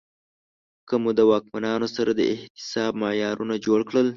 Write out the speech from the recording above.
که مو د واکمنانو سره د احتساب معیارونه جوړ کړل